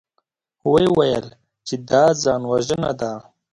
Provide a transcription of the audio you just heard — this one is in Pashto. ويې ويل چې دا ځانوژنه ده.